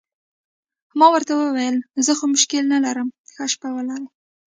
ما ورته وویل: زه خو کوم مشکل نه لرم، ښه شپه ولرئ.